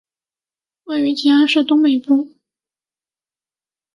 位于吉安市东北部。